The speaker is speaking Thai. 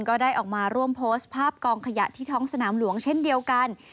ก็ได้ออกมาร่วมโพสต์ภาพกองขยะที่ท้องสนามหลวงเช่นเดียวกัน